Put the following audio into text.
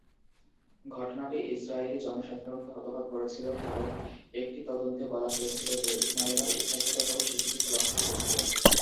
ঘটনাটি ইসরায়েলি জনসাধারণকে হতবাক করেছিল, কারণ একটি তদন্তে বলা হয়েছিল যে স্নাইপার ইচ্ছাকৃতভাবে শিশুটিকে লক্ষ্য করেছিল।